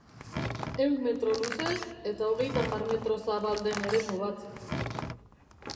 Ehun metro luze eta hogeita hamar metro zabal den eremu bat.